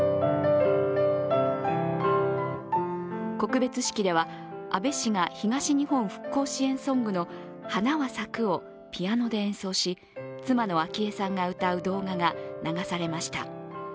告別式では安倍氏が東日本復興支援ソングの「花は咲く」をピアノで演奏し妻の昭恵さんが歌う動画が流されました。